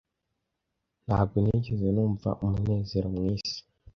ntabwo nigeze numva umunezero mwisi